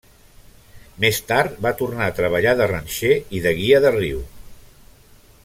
Més tard, va tornar a treballar de ranxer i de guia de riu.